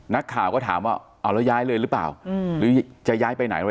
นักข่าวก็ถามว่าเอาแล้วย้ายเลยหรือเปล่าหรือจะย้ายไปไหนอะไร